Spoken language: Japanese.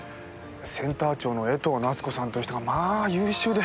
センター長の江藤奈津子さんって人がまあ優秀で。